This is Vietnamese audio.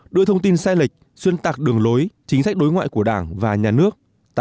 đưa thông tin sai lệch xuyên tạc đường lối chính sách đối ngoại của đảng và nhà nước